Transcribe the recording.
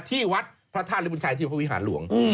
ที่วัดพระธาตุริบุญชัยที่พระวิหารหลวง